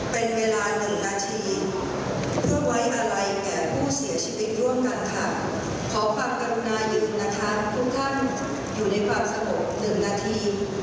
เพื่อไว้อาลัยแก่ผู้เสียชีวิตร่วมกันขอฝากกรุณายืนนะครับทุกคนอยู่ในความสะงบ๑นาที